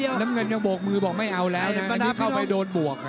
น้ำเงินยังโบกมือบอกไม่เอาแล้วนะอันนี้เข้าไปโดนบวก